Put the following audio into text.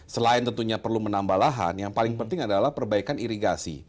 selain tentunya perlu menambah lahan yang paling penting adalah perbaikan irigasi